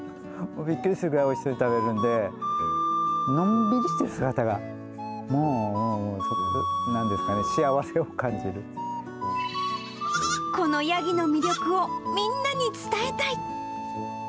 びっくりするぐらいおいしそうに食べるんで、のんびりしている姿が、もう、このヤギの魅力をみんなに伝えたい。